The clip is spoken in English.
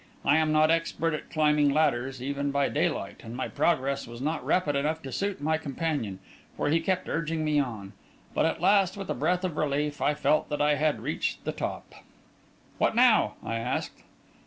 I am not expert at climbing ladders, even by daylight, and my progress was not rapid enough to suit my companion, for he kept urging me on. But at last, with a breath of relief, I felt that I had reached the top. "What now?" I asked.